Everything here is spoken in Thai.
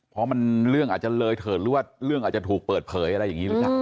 เพราะมันเรื่องอาจจะเลยเถิดหรือว่าเรื่องอาจจะถูกเปิดเผยอะไรอย่างนี้หรือเปล่า